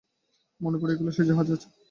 মনে পড়িয়া গেল, সে জাহাজে আছে।